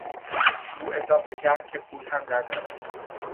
او اضافه کرد که پول هم ندارد.